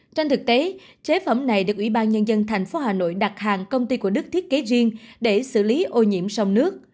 trên thực tế chế phẩm này được ủy ban nhân dân thành phố hà nội đặt hàng công ty của đức thiết kế riêng để xử lý ô nhiễm sông nước